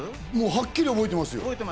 はっきり覚えてますよ。